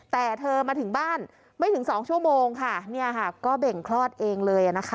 แต่เธอมาถึงบ้านไม่ถึงสองชั่วโมงค่ะเนี่ยค่ะก็เบ่งคลอดเองเลยนะคะ